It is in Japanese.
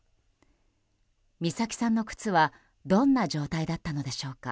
美咲さんの靴はどんな状態だったのでしょうか。